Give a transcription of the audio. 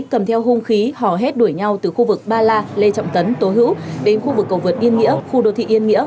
cầm theo hung khí hò hét đuổi nhau từ khu vực ba la lê trọng tấn tố hữu đến khu vực cầu vượt yên nghĩa khu đô thị yên nghĩa